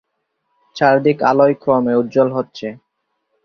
চারদিক আলোয় ক্রমে উজ্জ্বল হচ্ছে।